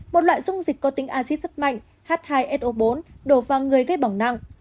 một loại dung dịch có tính acid rất mạnh h hai so bốn đổ vào người gây bỏng nặng